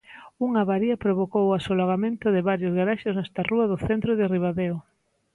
Unha avaría provocou o asolagamento de varios garaxes nesta rúa do centro de Ribadeo.